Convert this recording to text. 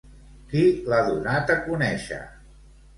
Qui l'ha donat a conèixer?